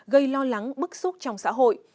gây lo lắng bức xúc trong xã hội